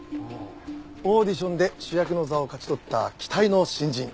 オーディションで主役の座を勝ち取った期待の新人。